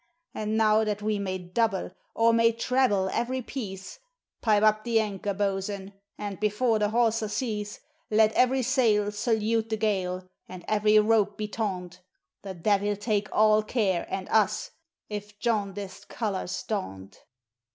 And now that we may double or may treble every piece, Pipe up the anchor, boatswain! and, before the hawser cease, Let every sail salute the gale and every rope be taunt The Devil take all care and us, if jaundiced colors daunt!